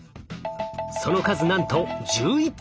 その数なんと１１匹！